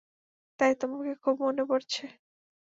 তাই তোমাকে খুব মনে পড়ছে।